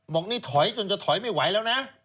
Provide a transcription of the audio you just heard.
บอกนี่ถอยจนจะถอยไม่ไหวแล้วนะ